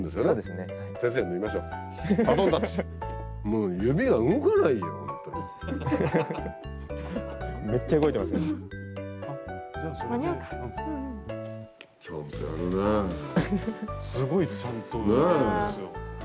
すごいちゃんとやるんですよ。